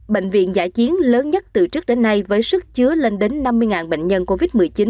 bệnh viện giã chiến lớn nhất từ trước đến nay với sức chứa lên đến năm mươi bệnh nhân covid một mươi chín